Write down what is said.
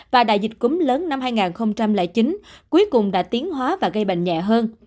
và đại dịch cúm lớn năm hai nghìn chín cuối cùng đã tiến hóa và gây bệnh nhẹ hơn